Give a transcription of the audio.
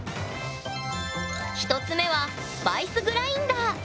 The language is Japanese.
１つ目はスパイスグラインダー。